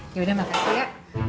yaudah makasih ya